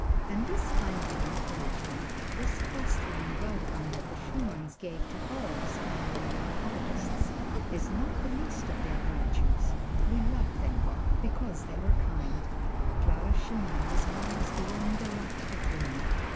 And this kindly encouragement, this fostering welcome that the Schumanns gave to all aspiring young artists, is not the least of their virtues. We love them because they were kind. Clara Schumann was wise beyond the lot of woman.